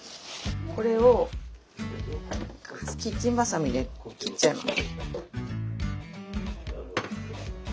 これをキッチンばさみで切っちゃいます。